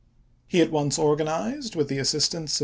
He at once organized, with the assistance of M.